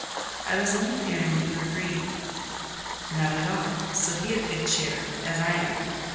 "I was only fearing that you were grieved." "Not at all: so be of good cheer—as I am.